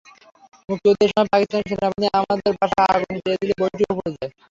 মুক্তিযুদ্ধের সময় পাকিস্তান সেনাবাহিনী আমাদের বাসা আগুনে পুড়িয়ে দিলে বইটিও পুড়ে যায়।